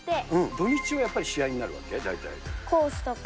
土日はやっぱり試合になるわコースとか。